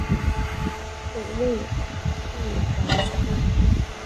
北魏复还故治。